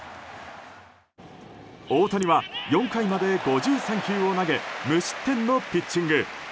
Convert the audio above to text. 大谷は４回まで５３球を投げ無失点のピッチング。